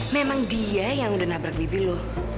memang dia yang udah nabrak bibi loh